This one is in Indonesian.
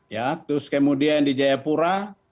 ya terus kemudian di jayapura